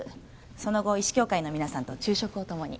その後医師協会の皆さんと昼食を共に。